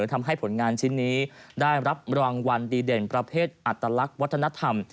ทำให้ผลงานชิ้นนี้ได้รับรางวัลดีเด่นประเภทอัตลักษณ์วัฒนธรรม